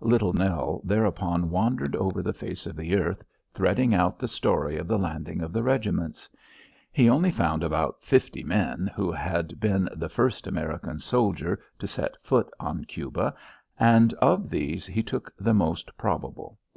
Little Nell thereupon wandered over the face of the earth, threading out the story of the landing of the regiments. He only found about fifty men who had been the first American soldier to set foot on Cuba, and of these he took the most probable.